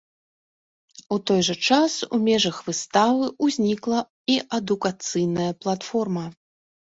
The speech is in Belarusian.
У той жа час у межах выставы ўзнікла і адукацыйная платформа.